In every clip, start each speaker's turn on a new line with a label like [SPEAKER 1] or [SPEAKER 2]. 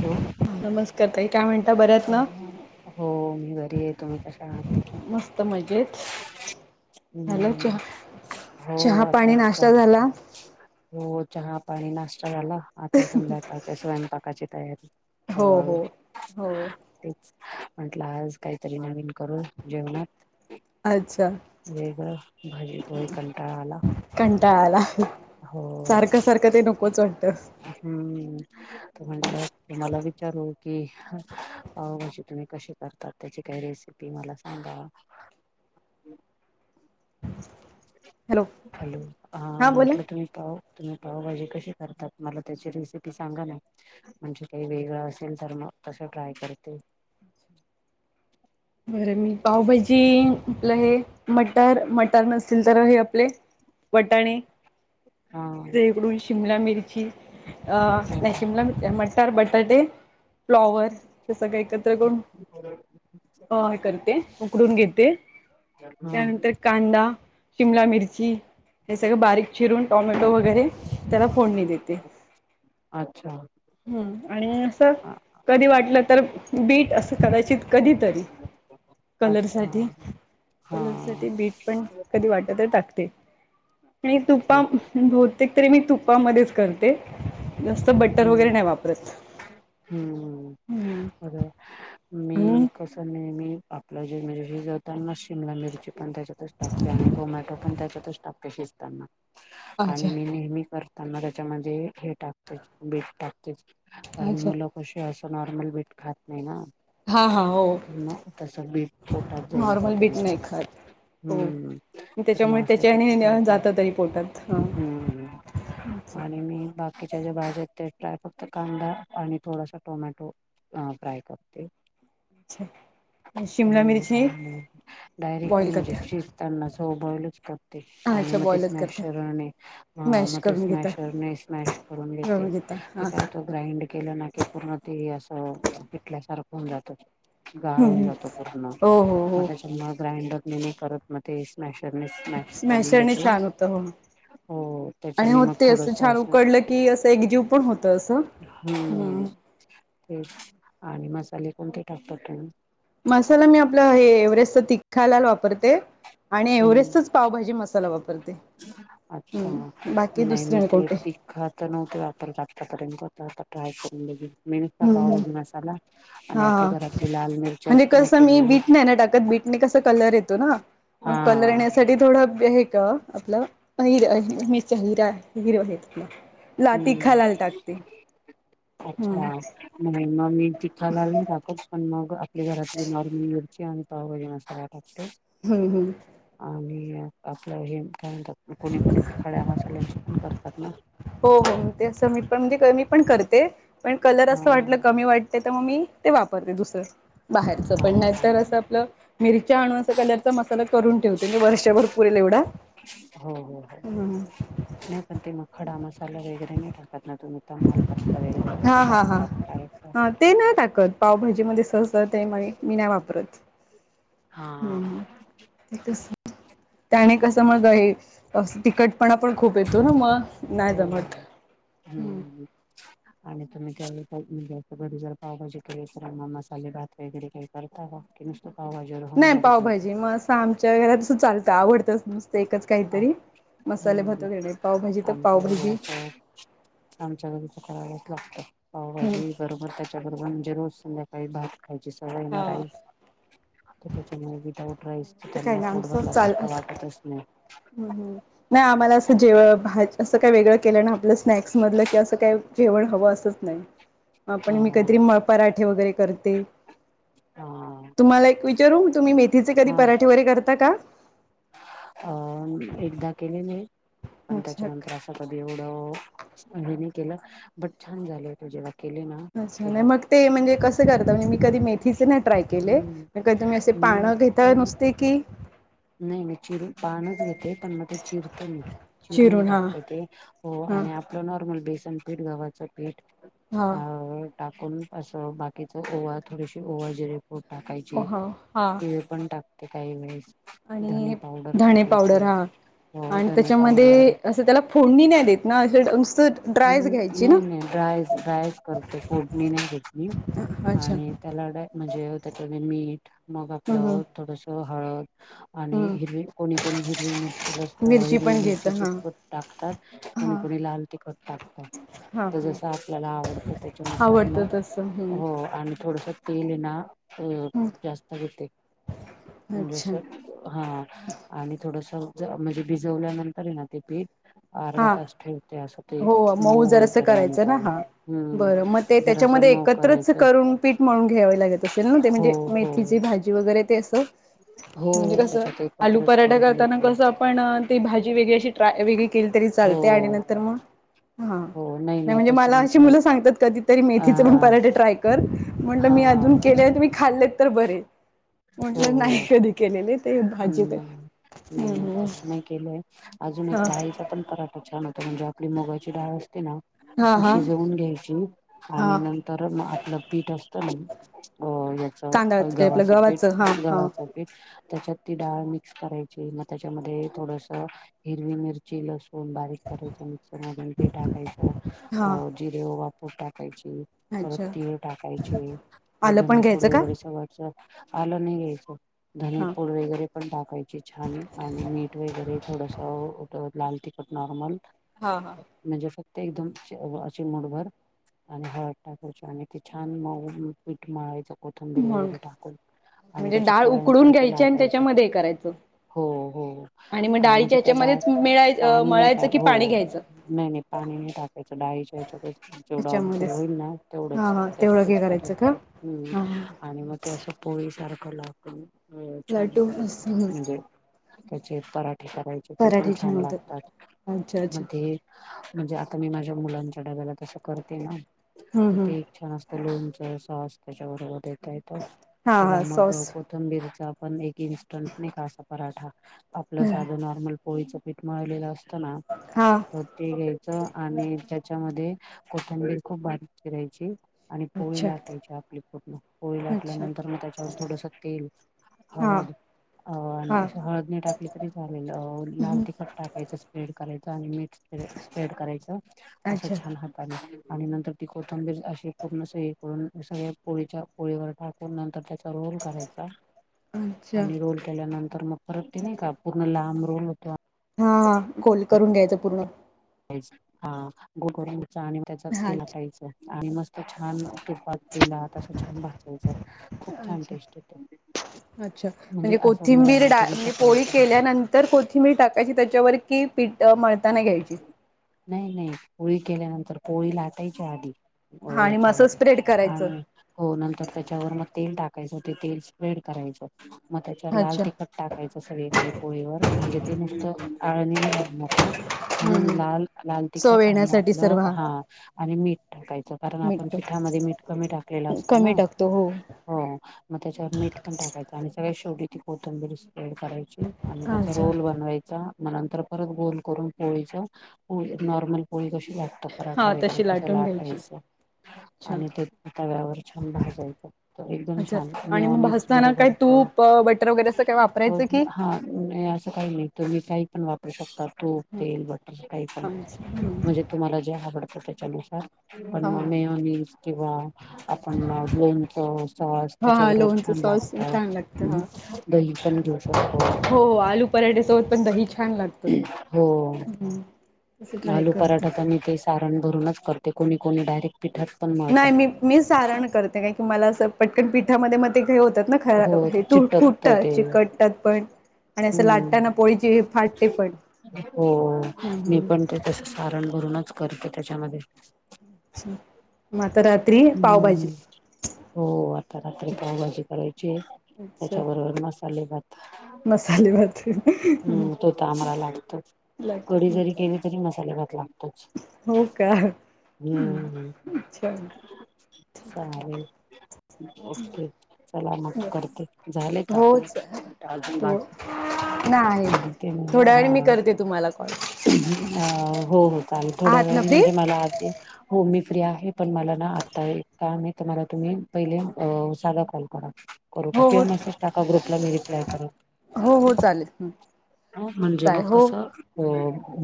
[SPEAKER 1] Hello
[SPEAKER 2] नमस्कार ताई काय म्हणता बऱ्यात
[SPEAKER 1] अ
[SPEAKER 2] ना
[SPEAKER 1] हो मी बरी आहे. तुम्ही कशा आहात?
[SPEAKER 2] मस्त मजेत. झालं
[SPEAKER 1] हम्म
[SPEAKER 2] चहा
[SPEAKER 1] हो
[SPEAKER 2] चहा पाणी
[SPEAKER 1] आताच
[SPEAKER 2] नाश्ता
[SPEAKER 1] चहा
[SPEAKER 2] झाला
[SPEAKER 1] हो चहा पाणी नाश्ता झाला. आता संध्याकाळच्या स्वयंपाकाची तयारी
[SPEAKER 2] हो
[SPEAKER 1] हळूहळू.
[SPEAKER 2] हो हो
[SPEAKER 1] तेच म्हटलं आज काहीतरी नवीन करू जेवणात
[SPEAKER 2] अच्छा
[SPEAKER 1] वेग भजीपोई कंटाळ आला.
[SPEAKER 2] कंटाळा आला
[SPEAKER 1] हो
[SPEAKER 2] सारखं सारखं ते नकोच वाटत.
[SPEAKER 1] हम्म म्हटलं तुम्हाला विचारू? कि पावभाजी तुम्ही कसे करताात त्याची काही रेसिपी मला सांगा
[SPEAKER 2] हॅलो
[SPEAKER 1] हॅलो हा
[SPEAKER 2] हां बोला
[SPEAKER 1] म्हटलं तुम्ही पाव तुम्ही पावभाजी कशी करतात मला त्याची रेसिपी सांगा ना म्हणजे काही वेगळं असेल तर मग तसं ट्राय करते
[SPEAKER 2] बरं मी पावभाजी आपलं हे मटर, मट टर नसतील तर हे आपले वटाणे
[SPEAKER 1] हा
[SPEAKER 2] तिकडून शिमला मिरची
[SPEAKER 1] ह
[SPEAKER 2] नाही अ शिमला मिर्ची ना तर बटाटे फ्लॉवर हे सगळं एकत्र करून
[SPEAKER 1] हो
[SPEAKER 2] अ करते उकडून घेते
[SPEAKER 1] ह
[SPEAKER 2] त्यानंतर कांदा शिमला मिर्ची हे सगळं बारीक चिरून टॉमॅटो वगैरे त्याला फोडणी देते
[SPEAKER 1] अच्छा
[SPEAKER 2] हम् आणि असं कधी वाटलं तर बीट असं कदाचित कधी तरी
[SPEAKER 1] अच्छा
[SPEAKER 2] कलरसाठी,
[SPEAKER 1] हा
[SPEAKER 2] कलरसाठी बीट पण कधी वाटत तर टाकते मी
[SPEAKER 1] ओके
[SPEAKER 2] तुपा बहु तेक तरी मी तुपामध्येच करते जास्त बटर वगैरे
[SPEAKER 1] हम्म
[SPEAKER 2] नाही वापरत
[SPEAKER 1] हम्म
[SPEAKER 2] ह
[SPEAKER 1] मी कस नेहमी आपलं जेजे जना शिमला मिरची पण त्याच्यातच टाकते आणि टोमॅटो पण त्याच्यातच टाकते शिजताना आणि
[SPEAKER 2] अच्छा
[SPEAKER 1] मी नेहमी करताना त्याच्यामध्ये हे टाकते बीट टाकतेच कारण
[SPEAKER 2] अच्छा
[SPEAKER 1] मला कस असं नॉर्मल बीट खात नाही ना
[SPEAKER 2] हा हा हो
[SPEAKER 1] त्यांना तसा बीट पोटात जाईल व
[SPEAKER 2] नॉर्मल बीट
[SPEAKER 1] त्यांच्या
[SPEAKER 2] नाही खात हो
[SPEAKER 1] हम्म तर
[SPEAKER 2] त्याच्यामुळे
[SPEAKER 1] मग
[SPEAKER 2] त्याच्याने निवांत जात तरी पोटात हा
[SPEAKER 1] हम् आणि मी बाकीच्या ज्या भाज्या तेच काय फक्त कांदा आणि थोडासा टोमॅटो फ्राय करते
[SPEAKER 2] अच्छा शिमला
[SPEAKER 1] हं
[SPEAKER 2] मिरची
[SPEAKER 1] आम्ही
[SPEAKER 2] बॉईल
[SPEAKER 1] डायरेक्टली म्हणजे ची
[SPEAKER 2] करता
[SPEAKER 1] त्यांना सुद्धा बॉइलच क ते आणि
[SPEAKER 2] अच्छा
[SPEAKER 1] मते
[SPEAKER 2] बॉईलच करता
[SPEAKER 1] स्मॅशरने
[SPEAKER 2] मॅश
[SPEAKER 1] म तेच
[SPEAKER 2] करून घेता
[SPEAKER 1] स्मॅशरने स्मॅश करून घेते
[SPEAKER 2] घेता हां
[SPEAKER 1] ग्राईंड केलं ना की पूर्ण ते असं पिटल्यासारखं होऊन जात गाळ होऊन जातो पूर्ण
[SPEAKER 2] हो हो
[SPEAKER 1] मग
[SPEAKER 2] हो
[SPEAKER 1] त्याच्या ग्राइंडरने मी परत मग ते स्मॅशरन स्मॅश करून
[SPEAKER 2] स्मॅशरने
[SPEAKER 1] घेत ना
[SPEAKER 2] छान आणि हो ते असं छान उकडलं की अस एकजीव पण होत असं ह
[SPEAKER 1] हम्म ते आणि मसाले कोणते टाकतात तुम्ही
[SPEAKER 2] मसाला मी आपलं हे एव्हरेस्ट तिखा लाला वापरते आणि
[SPEAKER 1] हम्म.
[SPEAKER 2] एव्हरेस्टच पावभाजी मसाला वापरते ह बाकी दुसरे आणि कोणते
[SPEAKER 1] खात नव्हते वापरला आतापर्यंत आता ट्राय करून बघितले मेनसचा
[SPEAKER 2] हम्म हम्म
[SPEAKER 1] पावभाजी मसाला आणि
[SPEAKER 2] हा
[SPEAKER 1] आपली घरातली लाल मिरची
[SPEAKER 2] म्हणजे
[SPEAKER 1] असते ना
[SPEAKER 2] कस मी
[SPEAKER 1] केलेली
[SPEAKER 2] बीट नाही ना टाकत बीटने कस कलर येतो ना
[SPEAKER 1] हा.
[SPEAKER 2] मग कलर येण्यासाठी थोडा आहे का आपल हिरा हिर ना लाती
[SPEAKER 1] हम्म.
[SPEAKER 2] खालाल टाकते, हम
[SPEAKER 1] अच्छा. नाही मग मी तिखालाल नाही टाकत, पण मग आपल्या घरातली नॉर्मल मिर ची आणि पावभाजी मसाला टाकते
[SPEAKER 2] हम्म, हम्म
[SPEAKER 1] आणि आपलं हे काय म्हणतात कोणी, कोणी ते खड्या मसाल्याचं पण करतात ना
[SPEAKER 2] हो, हो तेच मी पण म्हणजे मी पण करते पण कलर असं
[SPEAKER 1] हा.
[SPEAKER 2] वाटलं कमी वाट ते तर मग मी ते वापरते दुसरं, बाहेरचं पण नाही
[SPEAKER 1] हा.
[SPEAKER 2] तर असं आपलं मिरच्या आणून असं कलरचा मसाला करून ठेवते मी वर्षभर पुरेल एवढा
[SPEAKER 1] हो, हो, हो नाही पण ते खडा मसाला वगैरे नाही टाकत ना तुम्ही? तमालपत्र वगैरे बघा
[SPEAKER 2] हा
[SPEAKER 1] ते
[SPEAKER 2] हा हा
[SPEAKER 1] टाकतात काय काय
[SPEAKER 2] ते नाहि टाकत पावभाजी मधे सहसा ते मी नाय वापर.
[SPEAKER 1] हा.
[SPEAKER 2] त्याने कसं मग हे. अस तिखटपणा पण खूप येतो ना मग नाही
[SPEAKER 1] हो
[SPEAKER 2] जमत.
[SPEAKER 1] [inaudible] आणि तुम्ही घरी जर म्हणजेअसं घरी जर पावभाजी केली असलं तर मसाले भात वगैरे काही करता का? कि नुसतं पावभाजीवर होऊन
[SPEAKER 2] नाही
[SPEAKER 1] जातं तुमचं?
[SPEAKER 2] पावभाजी मं असं आमच्या घरात चालतं आवडतं नुसतं एकच
[SPEAKER 1] आ
[SPEAKER 2] काहीतरी. मसाले भात
[SPEAKER 1] हम्म
[SPEAKER 2] वगैरे पावभाजी तर
[SPEAKER 1] आमच्या घरी
[SPEAKER 2] पावभाजी
[SPEAKER 1] असं आमच्या घरी तं करावच लागतं
[SPEAKER 2] हम्म
[SPEAKER 1] पावभाजी बरोबर त्याच्याबरोबर म्हणजे रोज संध्याकाळी भात खायची सवय
[SPEAKER 2] हा.
[SPEAKER 1] येणार आहे तर त्याच्यामुळे विदाउट राईस तं
[SPEAKER 2] असं काही
[SPEAKER 1] त्यांना पोट भरल्यासारखं वाटतच नाही.
[SPEAKER 2] हं हं नाही आम्हाला असं जेवा असं काय वेगळं केलं ना आपलं स्नॅक्स मधलं किंवा असं काय? जेवण हवं असंच नाही, मं आपण मी काहीतरी
[SPEAKER 1] हा
[SPEAKER 2] म पराठे वगैरे करते,
[SPEAKER 1] हा
[SPEAKER 2] तुम्हाला एक विचारू तुम्ही मे तिचे कधी पराठे वगैरे करता का?
[SPEAKER 1] अं एकदा केलेले, पण
[SPEAKER 2] अच्छा
[SPEAKER 1] त्याच्यानंतर आज कधी एवढ हे नही केलं बट छान झालं होतं जेवण.
[SPEAKER 2] अच्छा नाही मग ते म्हणजे कसं करता म्हणजे मी कधी मेथीचे नाही ट्राय केले.
[SPEAKER 1] हम्म
[SPEAKER 2] मग काय तुम्ही असे
[SPEAKER 1] मी
[SPEAKER 2] पानं
[SPEAKER 1] काय
[SPEAKER 2] घेताय नुसते की
[SPEAKER 1] नाही नाही मी पानच घेते, मग ते चिरते मी चिरून टाकत ते, हो
[SPEAKER 2] हा
[SPEAKER 1] आणि आप आपलं नॉर्मल बेसन पीठ गव्हाचं पीठ
[SPEAKER 2] हा
[SPEAKER 1] अ टाकून असं बाकीच ओवा थोडीशी ओवा जरे
[SPEAKER 2] ओ
[SPEAKER 1] टाकायची
[SPEAKER 2] हा हा
[SPEAKER 1] ते पण टाकते काही वेळेस. धनी
[SPEAKER 2] आणि
[SPEAKER 1] पावडर
[SPEAKER 2] धणे पावडर
[SPEAKER 1] टाकायची
[SPEAKER 2] हा
[SPEAKER 1] अ
[SPEAKER 2] आणि
[SPEAKER 1] धनी पावडर
[SPEAKER 2] त्याच्यामध्ये असं त्याला फोडणी नाही देत ना असे नुसतं ड्रायच घ्यायची ना
[SPEAKER 1] नाही नाही डाय ड्रायस करते फोडणी नाही घेत.
[SPEAKER 2] अच्छा
[SPEAKER 1] आणि त्याला म्हणजे त्याच्या मीठ मग
[SPEAKER 2] हम्म हम्म
[SPEAKER 1] आपलं. थोडस हळद. आणि
[SPEAKER 2] हम्म
[SPEAKER 1] हिरवी कोणी कोणी हिरवी मिरची लस
[SPEAKER 2] मिरची
[SPEAKER 1] हिरवी
[SPEAKER 2] पण घेत
[SPEAKER 1] मिरचीची
[SPEAKER 2] हा
[SPEAKER 1] टाकतात कोणी
[SPEAKER 2] हा
[SPEAKER 1] कोणी लाल तिखट टाकतात.
[SPEAKER 2] हा
[SPEAKER 1] तर जस आपल्याला आवडतं त्याच्या नुसार म
[SPEAKER 2] आवडतं तसं हम्म
[SPEAKER 1] हो आणि थोडसं. तेल ना अ
[SPEAKER 2] हम्म
[SPEAKER 1] जास्त घेते म्हणजे
[SPEAKER 2] अच्छा
[SPEAKER 1] स हा आणि थोडस म्हणजे अं भिजवल्यानंतर ये ना ते पीठ अर्धा
[SPEAKER 2] हा
[SPEAKER 1] तास ठेवते असं ते
[SPEAKER 2] हो
[SPEAKER 1] मऊ
[SPEAKER 2] जर असं करायचं
[SPEAKER 1] होईपर्यंत
[SPEAKER 2] ना हा
[SPEAKER 1] हम्म.
[SPEAKER 2] बरं मग ते
[SPEAKER 1] जरासं
[SPEAKER 2] त्याच्यामध्ये
[SPEAKER 1] मऊ
[SPEAKER 2] एकत्रच
[SPEAKER 1] करायचं
[SPEAKER 2] करून पीठ मळून घ्यावे लागत असेल ना ते
[SPEAKER 1] हो
[SPEAKER 2] म्हणजे
[SPEAKER 1] हो
[SPEAKER 2] मेथीची भाजी वगैरे. ते असं. म्हणजे
[SPEAKER 1] हो. त्याच्यात
[SPEAKER 2] आलू
[SPEAKER 1] एकत्रच
[SPEAKER 2] पराठा
[SPEAKER 1] करून
[SPEAKER 2] करताना
[SPEAKER 1] घेते
[SPEAKER 2] कसं आपण ती भाजी वेगळी अशी ट्राय वेगळी केली तरी
[SPEAKER 1] हो
[SPEAKER 2] चालते आणि नंतर मग हं
[SPEAKER 1] हो
[SPEAKER 2] नाही म्हणजे
[SPEAKER 1] तसं
[SPEAKER 2] मला
[SPEAKER 1] नाही
[SPEAKER 2] अशी
[SPEAKER 1] करत
[SPEAKER 2] मुलं सांगतात कधीतरी
[SPEAKER 1] अ
[SPEAKER 2] मेथीचे पण पराठे ट्राय कर म्हटलं
[SPEAKER 1] हा
[SPEAKER 2] मी अजून केले नही तुमी खाल्लेत तर बरे म्हटलं नाही कधी केलेलेत.
[SPEAKER 1] नाही नाही नाही तसं नाही केलंय अजून
[SPEAKER 2] हा
[SPEAKER 1] एक दहाचा पण परत. छान होत म्हणजे आपली मुगाची डाळ असते ना
[SPEAKER 2] हा
[SPEAKER 1] ती
[SPEAKER 2] हा
[SPEAKER 1] शिजवून घ्यायची
[SPEAKER 2] हा
[SPEAKER 1] आणि तर मग आपलं पीठ असतं ना अ याचं
[SPEAKER 2] तांदळाच आपलं
[SPEAKER 1] गव्हाचं
[SPEAKER 2] हा
[SPEAKER 1] पीठ
[SPEAKER 2] हा
[SPEAKER 1] गव्हाचं. त्याच्यात ती डाळ मिक्स करायची मग त्याच्यामध्ये थोडस हिरवी मिरची लस. बारीक करायच मिक्सर मध ते टाकायचं
[SPEAKER 2] हा
[SPEAKER 1] जिरे व वापूर टाकायची. परत
[SPEAKER 2] अच्छा
[SPEAKER 1] तीळ टाकायचे
[SPEAKER 2] आलं पण
[SPEAKER 1] हेेदने फूड
[SPEAKER 2] घ्यायचं का
[SPEAKER 1] वगैरे सगळच. आलो नाही घयको धनी
[SPEAKER 2] हा
[SPEAKER 1] वगैरे पण टाकायची छान आणि मीठ वगैरे थोडस लाल तिखट नॉर्मल
[SPEAKER 2] हा हा
[SPEAKER 1] म्हणजे फक्त एकदम अ मुठभर आणि हळद टाकाची आणि तेी छान म माळेच कोथंबीर
[SPEAKER 2] मग
[SPEAKER 1] वगैरे टाकून आणि त्याच्या पोळ्यांसारखे लाग
[SPEAKER 2] म करायचं आणि मग
[SPEAKER 1] अ,
[SPEAKER 2] डाळीच्या
[SPEAKER 1] म्हणजे त्या डाळ
[SPEAKER 2] ह्याच्यामध्येच मिळाय
[SPEAKER 1] पाणी नाही
[SPEAKER 2] मळायचं
[SPEAKER 1] टाक
[SPEAKER 2] कि
[SPEAKER 1] हो
[SPEAKER 2] पाणी घ्यायचं
[SPEAKER 1] नाही नाही पाणी नाही टाकायचं डाळीच्यायच जेवढं असर
[SPEAKER 2] त्याच्यामध्येच
[SPEAKER 1] होईल ना
[SPEAKER 2] हा
[SPEAKER 1] तेवढंच
[SPEAKER 2] हा तेवढं हे
[SPEAKER 1] त्याच्यातच
[SPEAKER 2] का
[SPEAKER 1] करायचं हम्म
[SPEAKER 2] हा हा
[SPEAKER 1] आणि मग ते असं पोळी सारखं लागून छान
[SPEAKER 2] लाटू
[SPEAKER 1] करायचं म्हणजे त्याचे पराठे करायचे ते पण
[SPEAKER 2] पराठे
[SPEAKER 1] छान
[SPEAKER 2] होतात
[SPEAKER 1] लागतात
[SPEAKER 2] अच्छा अच्छा
[SPEAKER 1] मध्ये म्हणजे आता मी माझ्या मुलांच्या डब्याला तस करते ना
[SPEAKER 2] हम्म
[SPEAKER 1] तर
[SPEAKER 2] हम्म
[SPEAKER 1] ते छान असतं लूणच स्वास त्याच्याबरोबर देता येतो
[SPEAKER 2] हा
[SPEAKER 1] किंवा
[SPEAKER 2] हा
[SPEAKER 1] मग
[SPEAKER 2] सॉस
[SPEAKER 1] कोथंबीरचा इटंट का पराठा आपलं साध नॉर्मल पोळीचं पीठ मिळलेलं असतना
[SPEAKER 2] हा
[SPEAKER 1] धोती घ्यायचं आणि त्याच्यामध्ये कोथंबीर खूप बारीक राहायची आणि पोळी
[SPEAKER 2] अच्छा
[SPEAKER 1] लाटायची आपली पूर्ण पोळी
[SPEAKER 2] अच्छा
[SPEAKER 1] लाटल्यानंतर मग त्याच्यावर थोडसं तेल
[SPEAKER 2] हा
[SPEAKER 1] हळद अ आणि
[SPEAKER 2] हा
[SPEAKER 1] हळदने टाकली तरी चालेल लाल तख टाकायच स्प्रेड करायचं आणि मीठ स्प्रेड कराचं असं
[SPEAKER 2] अच्छा
[SPEAKER 1] छान आणि नंतर ती कोथंबीर अशी पूर्ण स करून सगळ्या पोळीच्या पोळीवर टाकून नंतर त्या रोल करायचा
[SPEAKER 2] अच्छा
[SPEAKER 1] आणि रोल केल्यानंतर मग परत ते नाही का पूर्ण लांब रोल होते
[SPEAKER 2] हा हा खोल करून घ्यायचं पूर्ण
[SPEAKER 1] हा गोगोरंगच आणि त्याच
[SPEAKER 2] हा
[SPEAKER 1] ते लाटायचं आणि मस्त छान तुपात केला तसं छान भाजायच खूप छान
[SPEAKER 2] अच्छा
[SPEAKER 1] टेस्ट येते म्हणजे असं मुलांना कधी सकाळ चाल
[SPEAKER 2] तर कोथिंबीर टाकायची त्याच्यावर की पीठ मळताना घ्यायची
[SPEAKER 1] नाही नाही पोळी केल्यानंतर पोळी लाटायचा आधी हो
[SPEAKER 2] हा आणि मग
[SPEAKER 1] याच्यावर
[SPEAKER 2] असं स्प्रेड करायचं
[SPEAKER 1] आणि हो नंतर त्याच्यावर मग तेल टाकायचं ते तेल स्प्रेड करायचं मग त्याच्यावर लाल
[SPEAKER 2] अच्छा
[SPEAKER 1] तिखट टाकायच सगळीकडे पोळीवर म्हणजे ते नुसत आळणी नाही ना
[SPEAKER 2] हम्म
[SPEAKER 1] म्हणून
[SPEAKER 2] हम्म
[SPEAKER 1] लाल लाल
[SPEAKER 2] चव
[SPEAKER 1] तिखट आणि
[SPEAKER 2] येण्यासाठी
[SPEAKER 1] आपलं
[SPEAKER 2] सर्व
[SPEAKER 1] हा आणि मीठ टाकायचं कारण आपण
[SPEAKER 2] मीठ
[SPEAKER 1] पिठामध्ये मीठ कमी टाकलेलं असत
[SPEAKER 2] कमी
[SPEAKER 1] ना
[SPEAKER 2] टाकतो हो
[SPEAKER 1] हो मग त्याच्यावर मीठ पण टाकायचं आणि सगळ शेवटी ती कोथंबीरी स्प्रेड करायची आणि त्याचा
[SPEAKER 2] अच्छा
[SPEAKER 1] रोल बनवायचा मग नंतर परत गोल करून पोळीच पळी नॉर्मल पोळी कशी लाटत पराठा
[SPEAKER 2] हा
[SPEAKER 1] वगैरे
[SPEAKER 2] तशी
[SPEAKER 1] कसं
[SPEAKER 2] लाटून घ्यायची
[SPEAKER 1] लाटायचं
[SPEAKER 2] अच्छा
[SPEAKER 1] आणि ते तव्यावर छान भाजायचं एकदम
[SPEAKER 2] अच्छा
[SPEAKER 1] छान
[SPEAKER 2] आणि मग
[SPEAKER 1] मेनीच
[SPEAKER 2] भाजताना काय
[SPEAKER 1] बरोबर
[SPEAKER 2] तूप बटर वगैरे असं काय वापरायचं की
[SPEAKER 1] हा नाही असं काही नाही तर मी काही पण वापरू शकता तो तेल
[SPEAKER 2] हा
[SPEAKER 1] बटर काही पण म्हणजे तुम्हाला जे आवडतं त्याच्यानुसार आपण
[SPEAKER 2] हा
[SPEAKER 1] मेयनीज किंवा आपण लोणच सॉस
[SPEAKER 2] हा
[SPEAKER 1] त्याच्याबरोबर
[SPEAKER 2] लोणचं
[SPEAKER 1] छान
[SPEAKER 2] सॉस छान
[SPEAKER 1] लागत
[SPEAKER 2] लागतं हा
[SPEAKER 1] दही पण घेऊ शकतो
[SPEAKER 2] पराठेसोबत पण दही छान लागत
[SPEAKER 1] हो आलू पराठा त्यांनी ते सारण भरूनच करते कोणी कोणी डायरेक्ट पिठात पण
[SPEAKER 2] नाही
[SPEAKER 1] मळतात
[SPEAKER 2] मी मी सारण करते का की मला असं पटकन पीठामध्ये मग ते काही होतात खरा
[SPEAKER 1] हो
[SPEAKER 2] हे त
[SPEAKER 1] चिटकत
[SPEAKER 2] फुटत
[SPEAKER 1] ते
[SPEAKER 2] चिकटतात पण आणि असं लाटताना
[SPEAKER 1] हम्म
[SPEAKER 2] पोळीची फाटते पण हम् हम्
[SPEAKER 1] कारण भरूनच करते त्याच्यामध्ये
[SPEAKER 2] मग आता रात्री पावभाजी
[SPEAKER 1] हम्म हो आता रात्री पावभाजी करायची
[SPEAKER 2] अच्छा
[SPEAKER 1] त्याच्याबरोबर मसाले भात
[SPEAKER 2] मसाले भात [inaudible]
[SPEAKER 1] हम् तो तर आम्हाला लागतच कडी जरी केली तरी मसाले भात लागत अच्छ
[SPEAKER 2] हो का
[SPEAKER 1] हम्म हम्
[SPEAKER 2] अच्छा
[SPEAKER 1] सण आलेत ओके चला मग
[SPEAKER 2] बर
[SPEAKER 1] करते झाले का आपले
[SPEAKER 2] होच
[SPEAKER 1] नीट अजून
[SPEAKER 2] हो
[SPEAKER 1] बाकी
[SPEAKER 2] नाही
[SPEAKER 1] ह ते
[SPEAKER 2] थोड्या
[SPEAKER 1] हा
[SPEAKER 2] वेळ मी करते तुम्हाला कॉल
[SPEAKER 1] हो चालेल थोड्या
[SPEAKER 2] आहात ना
[SPEAKER 1] वेळ
[SPEAKER 2] फ्री
[SPEAKER 1] म्हणजे मला आधी हो मी फ्री आहे पण मला ना आत्ता एक काम आहे मला तुम्ही पहिले साधा कॉल करा करू
[SPEAKER 2] हो
[SPEAKER 1] किंवा
[SPEAKER 2] हो
[SPEAKER 1] मसेज टाका ग्रपला मी रिप्लाय करेल
[SPEAKER 2] हो हो चालेल
[SPEAKER 1] ह म्हणजे मग
[SPEAKER 2] चालेल हो
[SPEAKER 1] कसं अ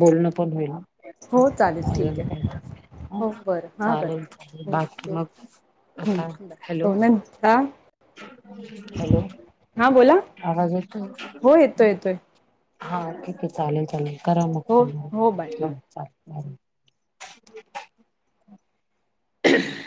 [SPEAKER 1] बोलणं पण होईल
[SPEAKER 2] हो चालेल ठीक
[SPEAKER 1] अजून काय
[SPEAKER 2] आहे
[SPEAKER 1] अ
[SPEAKER 2] हो बरं हां
[SPEAKER 1] चालेल चालेल
[SPEAKER 2] करते हो
[SPEAKER 1] बाकी
[SPEAKER 2] हो
[SPEAKER 1] मग आता
[SPEAKER 2] हं बाय
[SPEAKER 1] हॅलो
[SPEAKER 2] हो न हां
[SPEAKER 1] हॅलो
[SPEAKER 2] हां बोला
[SPEAKER 1] आवाज येतो
[SPEAKER 2] हो येतोय येतोय
[SPEAKER 1] हा ठीक आहे चालेल चालेल. करा मग
[SPEAKER 2] हो हो बाय हं
[SPEAKER 1] ह